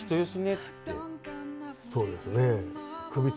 そうですね。